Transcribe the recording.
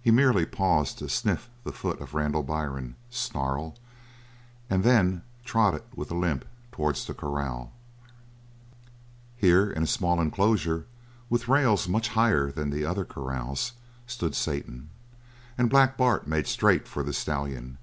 He merely paused to sniff the foot of Randall Byrne, snarl, and then trotted with a limp towards the corrals. Here, in a small enclosure with rails much higher than the other corrals, stood Satan, and Black Bart made straight for the stallion.